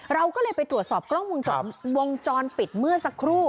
เราก็เลยไปตรวจสอบกล้องวงจรปิดเมื่อสักครู่